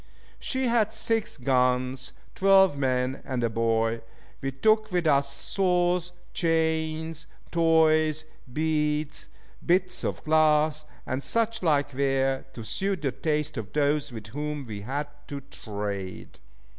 She had six guns, twelve men, and a boy. We took with us saws, chains, toys, beads, bits of glass, and such like ware, to suit the taste of those with whom we had to trade.